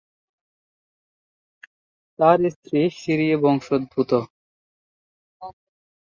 তার স্ত্রী সিরীয় বংশোদ্ভূত।